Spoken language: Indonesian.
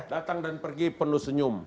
datang dan pergi penuh senyum